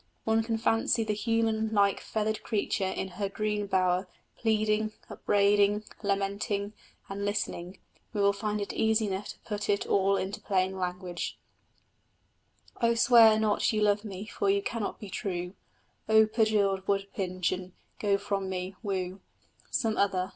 One can fancy the human like feathered creature in her green bower, pleading, upbraiding, lamenting; and, listening, we will find it easy enough to put it all into plain language: O swear not you love me, for you cannot be true, O perjured wood pigeon! Go from me woo Some other!